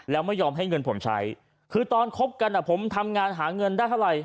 แล้วไม่ยอมให้เงินผมใช้คือตอนคบกันผมทำงานหาเงินได้เท่าไหร่